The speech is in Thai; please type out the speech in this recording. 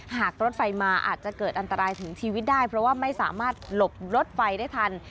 หากรถไฟมาอาจจะเกิดอันตรายถึงชีวิตได้เพราะว่าไม่สามารถหลบรถไฟได้ทัน